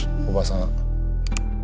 おばさん。